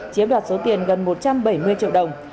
chiếm đoạt số tiền gần một trăm bảy mươi triệu đồng